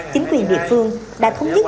chính quyền địa phương đã thống nhất